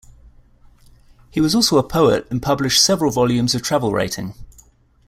He was also a poet and published several volumes of travel writing.